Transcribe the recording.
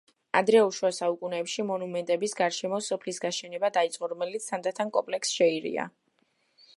ადრეულ შუა საუკუნეებში, მონუმენტების გარშემო სოფლის გაშენება დაიწყო, რომელიც თანდათან კომპლექსს შეერია.